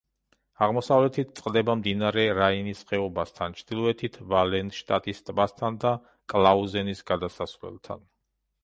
აღმოსავლეთით წყდება მდინარე რაინის ხეობასთან, ჩრდილოეთით ვალენშტადტის ტბასთან და კლაუზენის გადასასვლელთან.